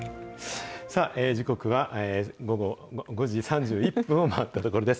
さあ、時刻は午後５時３１分を回ったところです。